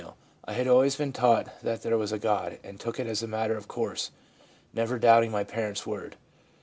I had always been taught that there was a God, and took it as a matter of course, never doubting my parents' word/ F.